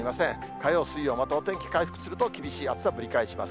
火曜、水曜、またお天気回復すると、厳しい暑さぶり返します。